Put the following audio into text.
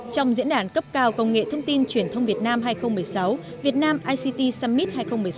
trong diễn đàn cấp cao công nghệ thông tin truyền thông việt nam hai nghìn một mươi sáu việt nam ict summit hai nghìn một mươi sáu